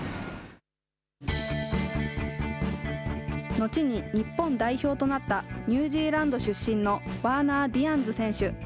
後に日本代表となったニュージーランド出身のワーナー・ディアンズ選手。